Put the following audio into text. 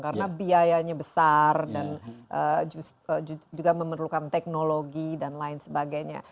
karena biayanya besar dan juga memerlukan teknologi dan lain sebagainya